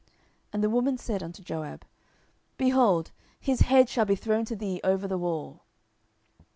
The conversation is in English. And the woman said unto Joab, Behold, his head shall be thrown to thee over the wall.